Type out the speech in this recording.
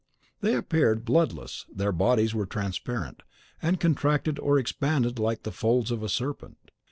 They appeared bloodless; their bodies were transparent, and contracted or expanded like the folds of a serpent.